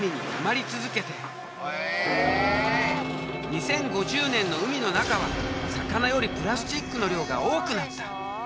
２０５０年の海の中は魚よりプラスチックの量が多くなった。